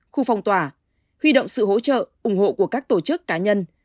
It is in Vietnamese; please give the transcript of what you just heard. khu phong tỏa huy động sự hỗ trợ ủng hộ của các tổ chức cá nhân